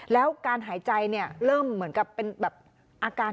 แล้วการหายใจเนี่ยเริ่มเหมือนกับเป็นแบบอาการ